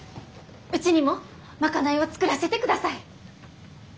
うちにも賄いを作らせてください！